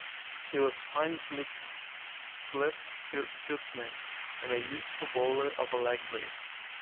He was a fine slip fieldsman and a useful bowler of leg-breaks.